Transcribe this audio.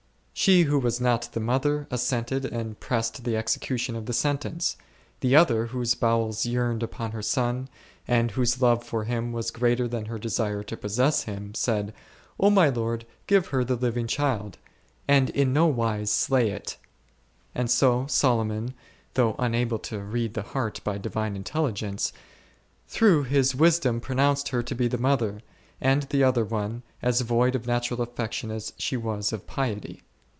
She who was not the mother, assented and pressed the execution of the sentence ; the other, whose bowels yearned upon her son, and whose love for him was greater than her desire to possess him, said, my lord, give her the living child, and in no wise slay it ; and so Solomon (though unable to read the heart by divine intelligence) through his wisdom pronounced her to be the mother, and the other one, as void of natural affection as she was of piety.